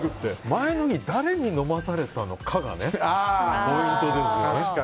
前の日、誰に飲まされたのかがポイントですよね。